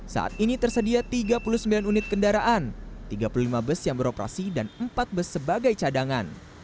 saat ini tersedia tiga puluh sembilan unit kendaraan tiga puluh lima bus yang beroperasi dan empat bus sebagai cadangan